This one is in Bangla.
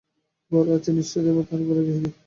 ঘরে আছেন ইষ্টদেবতা আর ঘরের গৃহিণী।